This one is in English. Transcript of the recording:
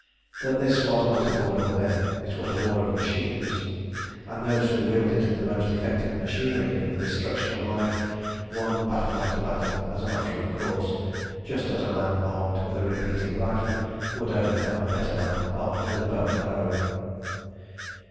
But this was not a war of men. It was a war of machines, and those who wielded the most effective machinery for the destruction of life won battle after battle as a matter of course, just as a man armed with a repeating rifle would overcome a better man armed with a bow and arrow.